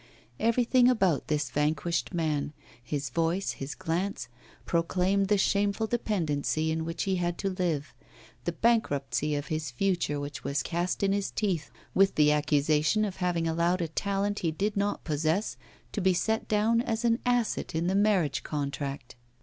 Everything about this vanquished man his voice, his glance proclaimed the shameful dependency in which he had to live: the bankruptcy of his future which was cast in his teeth, with the accusation of having allowed a talent he did not possess to be set down as an asset in the marriage contract.